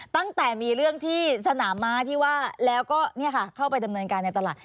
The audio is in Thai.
ตั้งแต่มีเรื่องที่สนามม้าที่ว่าแล้วก็เข้าไปดำเนินการในตลาด